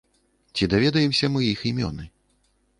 Ці даведаемся мы іх імёны?